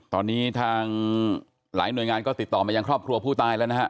ตอนนี้ทางหลายหน่วยงานก็ติดต่อมายังครอบครัวผู้ตายแล้วนะฮะ